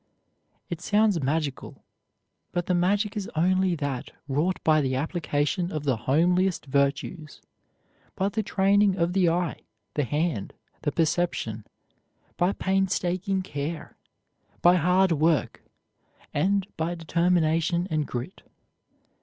It sounds magical, but the magic is only that wrought by the application of the homeliest virtues; by the training of the eye, the hand, the perception; by painstaking care, by hard work, and by determination and grit.